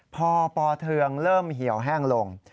พอปอเทืองเริ่มเหี่ยวแห้งลง